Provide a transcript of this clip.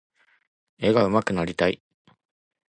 絵が上手くなりたい。